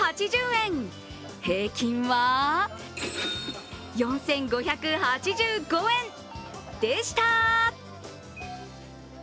平均は４５８５円でした。